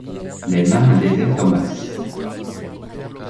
Les marins désertent en masse.